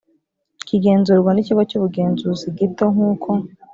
kigenzurwa n ikigo cy ubugenzuzi gito nk uko